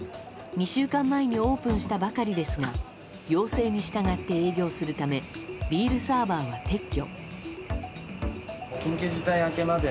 ２週間前にオープンしたばかりですが要請に従って営業するためビールサーバーは撤去。